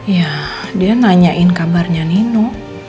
ya dia nanyain kabarnya nino